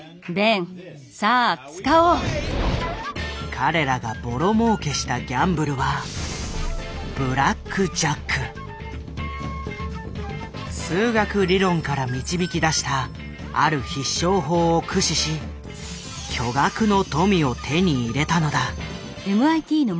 彼らがボロもうけしたギャンブルは数学理論から導き出したある必勝法を駆使し巨額の富を手に入れたのだ。